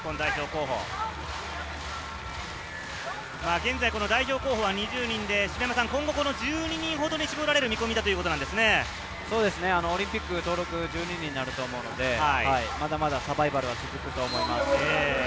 現在、代表候補は２０人で、今後、１２人ほどに絞られる見込オリンピックの登録が１２人になると思うので、まだまだサバイバルは続くと思います。